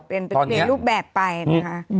เป็นเป็นลูกแบบไปนะคะ